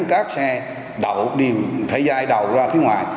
các xe đậu đều phải dai đầu ra phía ngoài